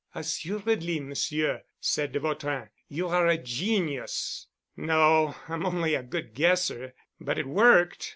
"Assuredly, Monsieur," said de Vautrin, "you are a genius." "No. I'm only a good guesser. But it worked.